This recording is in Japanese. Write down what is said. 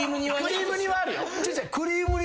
クリーム煮はあるよ。